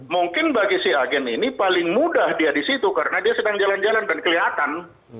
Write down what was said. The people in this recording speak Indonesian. mungkin bagi si agen ini paling mudah dia di situ karena dia sedang jalan jalan dan kelihatan